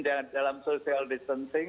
dan dalam social distancing